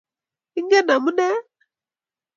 Ingen amune?